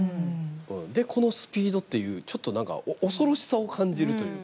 でこのスピードっていうちょっとなんか恐ろしさを感じるというか。